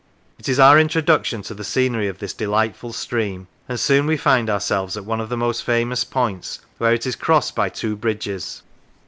It is our introduction to the scenery of this delightful stream, and soon we find ourselves at one of the most famous points, where it is crossed by two bridges.